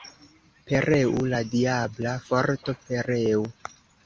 Pereu la diabla forto, pereu!